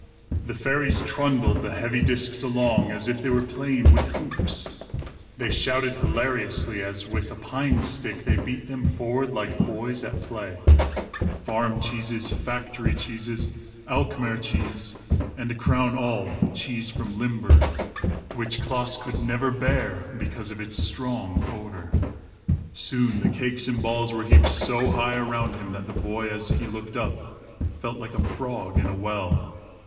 The fairies trundled the heavy discs along, as if they were playing with hoops. They shouted hilariously, as, with a pine stick, they beat them forward like boys at play. Farm cheese, factory cheese, Alkmaar cheese, and, to crown all, cheese from Limburg which Klaas never could bear, because of its strong odor. Soon the cakes and balls were heaped so high around him that the boy, as he looked up, felt like a frog in a well.